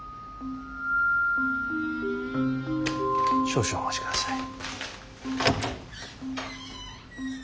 少々お待ち下さい。